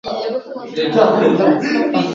Això evita, justament, les cerques a Google.